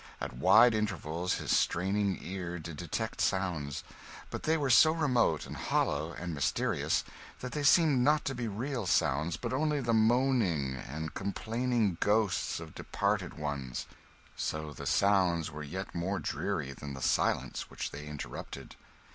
At wide intervals his straining ear did detect sounds, but they were so remote, and hollow, and mysterious, that they seemed not to be real sounds, but only the moaning and complaining ghosts of departed ones. So the sounds were yet more dreary than the silence which they interrupted.